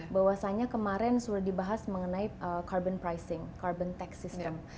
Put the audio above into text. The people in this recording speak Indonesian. bahwasannya kemarin sudah dibahas mengenai carbon pricing carbon tax system